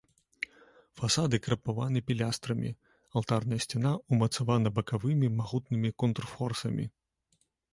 Фасады крапаваны пілястрамі, алтарная сцяна ўмацавана бакавымі магутнымі контрфорсамі.